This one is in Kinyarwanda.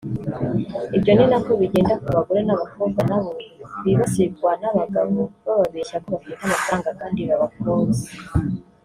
Ibyo ni nako bigenda ku bagore n’abakobwa nabo bibasirwa n’abagabo bababeshya ko bafite amafaranga kandi babakunze